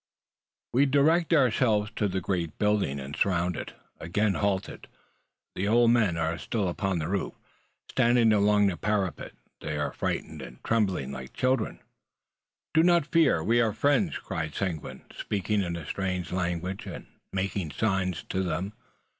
We direct ourselves to the great building, and, surrounding it, again halt. The old men are still upon the roof, standing along the parapet. They are frightened, and tremble like children. "Do not fear; we are friends!" cried Seguin, speaking in a strange language, and making signs to them.